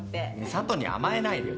佐都に甘えないでよ。